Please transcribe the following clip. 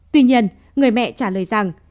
tuy nhiên người mẹ trả lời rằng